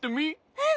うん。